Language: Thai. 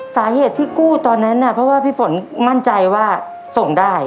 สาเหตุที่กู้ตอนนั้นน่ะเพราะว่าพี่ฝนมั่นใจว่าส่งได้